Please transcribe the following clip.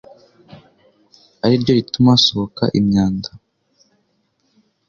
ariryo rituma hasohoka imyanda